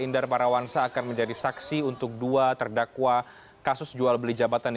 terima kasih maria dititi sultan